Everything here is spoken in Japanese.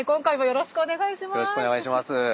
よろしくお願いします。